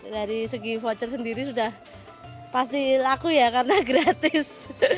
dari segi voucher sendiri sudah pasti laku ya karena gratis